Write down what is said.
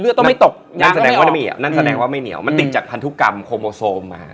เลือดต้องไม่ตกนั่นแสดงว่าไม่เหนียวนั่นแสดงว่าไม่เหนียวมันติดจากพันธุกรรมโคโมโซมมา